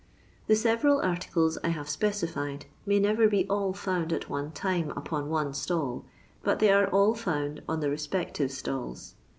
Tbo ■everal articles I have BpedBed may never be all fonnd at one time upon oiiie stall, but they are all found on the respective stalls.